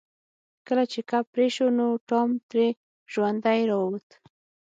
کله چې کب پرې شو نو ټام ترې ژوندی راووت.